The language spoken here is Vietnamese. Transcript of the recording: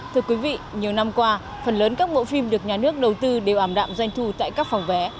thưa quý vị nhiều năm qua phần lớn các bộ phim được nhà nước đầu tư đều ảm đạm doanh thu tại các phòng vé